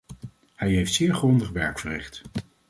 Hij heeft zeer grondig werk verricht.